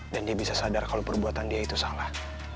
dan dia bisa sadar kalau perbuatan dia itu salah